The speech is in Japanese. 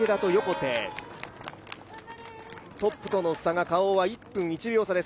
トップとの差がＫａｏは１分１秒差です。